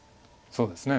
そうですね。